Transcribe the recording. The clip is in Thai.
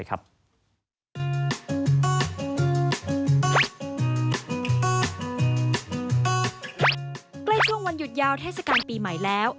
ใกล้ช่วงวันหยุดยาวเทศกาลปีใหม่แล้ว